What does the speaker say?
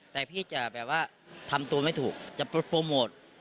แต่พี่จะแบบว่าทำตัวไม่ถูกจะโปรโมท